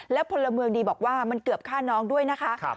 แล้วพลเมืองดีบอกว่ามันเกือบฆ่าน้องด้วยนะคะ